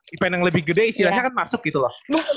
event yang lebih gede istilahnya kan masuk gitu loh